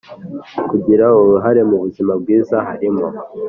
Kugira uruhare m ubuzima bwiza halimo